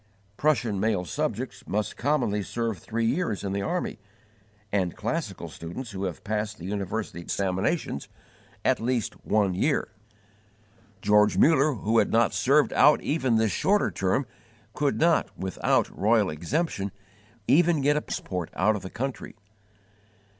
Prussian male subjects must commonly serve three years in the army, and classical students who have passed the university examinations, at least one year. George Muller, who had not served out even this shorter term, could not, without royal exemption, even get a passport out of the country.